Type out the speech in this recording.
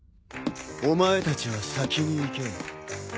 お前たちは先に行け。